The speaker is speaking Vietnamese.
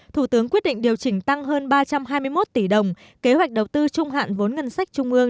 thủ tướng quyết định điều chỉnh tăng hơn ba trăm hai mươi một tỷ đồng kế hoạch đầu tư trung hạn vốn ngân sách trung ương